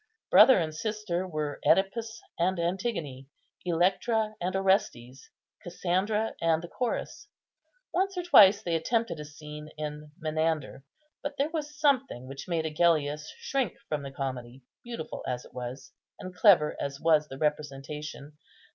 Brother and sister were Œdipus and Antigone, Electra and Orestes, Cassandra and the Chorus. Once or twice they attempted a scene in Menander; but there was something which made Agellius shrink from the comedy, beautiful as it was, and clever as was the representation.